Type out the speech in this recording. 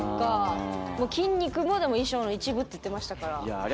筋肉も衣装の一部って言ってましたから。